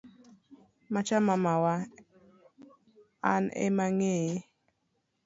Macha mamawa an emaang'eye.